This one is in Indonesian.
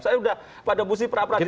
saya udah pada posisi perapradilan